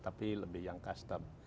tapi lebih yang custom